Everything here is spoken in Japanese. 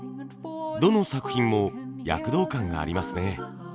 どの作品も躍動感がありますね。